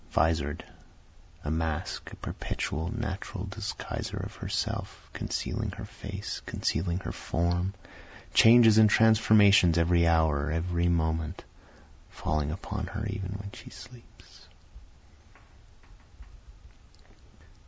Visor'd A mask, a perpetual natural disguiser of herself, Concealing her face, concealing her form, Changes and transformations every hour, every moment, Falling upon her even when she sleeps.